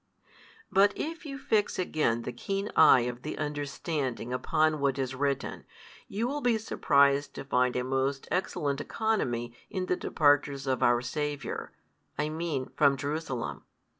But if you fix again the keen eye of the understanding upon what is written, you will be surprised to find a most excellent economy in the departures of our Saviour, I mean from Jerusalem.